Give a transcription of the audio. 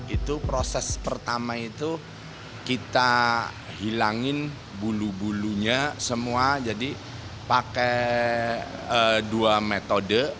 itu proses pertama itu kita hilangin bulu bulunya semua jadi pakai dua metode